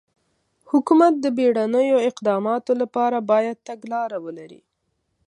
حکومت د بېړنیو اقداماتو لپاره باید تګلاره ولري.